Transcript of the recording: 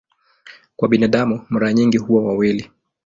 Kwa binadamu mara nyingi huwa wawili.